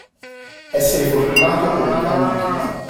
Essere fortunato come i cani in chiesa.